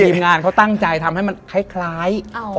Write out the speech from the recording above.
ทีมงานเขาตั้งใจทำให้มันคล้าย